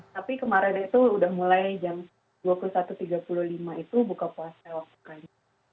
tapi kemarin itu udah mulai jam dua puluh satu tiga puluh lima itu buka puasa waktu kali